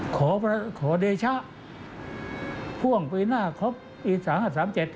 ขอขอเดชะพ่วงปีหน้าครบเอสาห้าสามเจ็ด